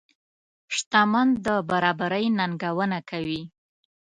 شتمن د برابرۍ ننګونه کوي.